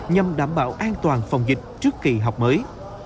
nhằm đảm bảo an toàn phòng dịch trước kỳ học mới